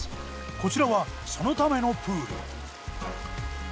こちらはそのためのプール。